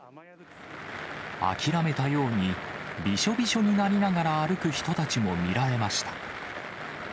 諦めたように、びしょびしょになりながら歩く人たちも見られました。